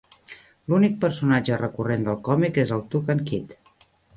L'únic personatge recurrent del còmic és el Toucan Kid.